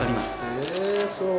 へぇそう。